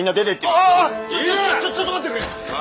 おいおいちょっと待ってくれ。